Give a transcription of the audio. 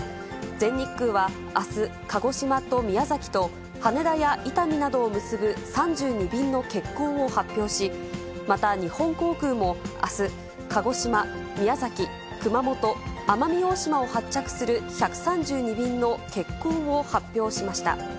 全日空はあす、鹿児島と宮崎と、羽田や伊丹などを結ぶ３２便の欠航を発表し、また日本航空もあす、鹿児島、宮崎、熊本、奄美大島を発着する１３２便の欠航を発表しました。